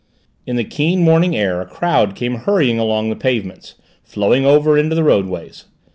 In the keen morning air a crowd came hurrying along the pavements, flowing over into the roadways.